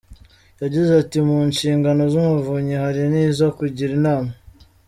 Yagize ati “ mu nshingano z’umuvunyi hari n’izo kugira inama.